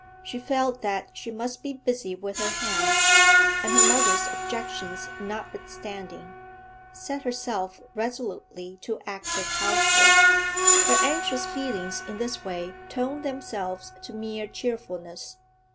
She felt that she must be busy with her hands, and, her mother's objections notwithstanding, set herself resolutely to active housework. Her anxious feelings in this way toned themselves to mere cheerfulness.